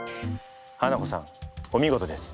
ハナコさんお見事です。